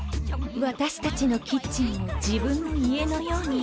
私たちのキッチンを自分の家のように。